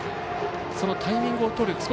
そのタイミングをとる。